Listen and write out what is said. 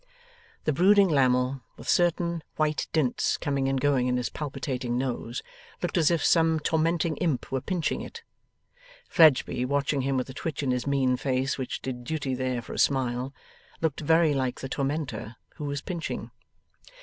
The brooding Lammle, with certain white dints coming and going in his palpitating nose, looked as if some tormenting imp were pinching it. Fledgeby, watching him with a twitch in his mean face which did duty there for a smile, looked very like the tormentor who was pinching.